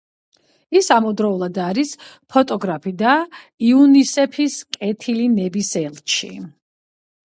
ის ამავდროულად არის ფოტოგრაფი, და იუნისეფის კეთილი ნების ელჩი.